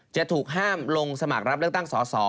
จะถูกห้ามลงสมัครรับเลือกตั้งสอสอ